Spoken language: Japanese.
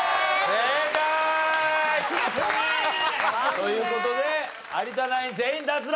正解！という事で有田ナイン全員脱落！